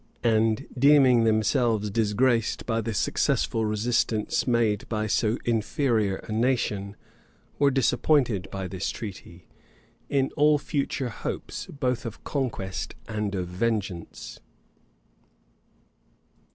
and deeming themselves disgraced by the successful resistance made by so inferior a nation, were disappointed, by this treaty, in all future hopes both of conquest and of vengeance.